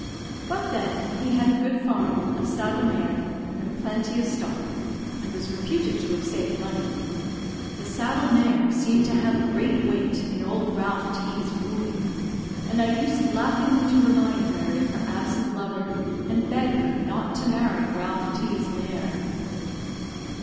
But then he had a good farm, a saddle mare, and plenty of stock, and was reputed to have saved money. The saddle mare seemed to have great weight in old Ralph T h's wooing, and I used laughingly to remind Mary of her absent lover, and beg her not to marry Ralph T h's mare.